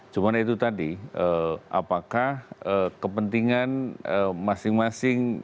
cuma itu tadi apakah kepentingan masing masing